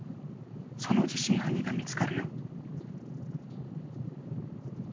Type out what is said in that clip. そのうち真犯人が見つかるよ。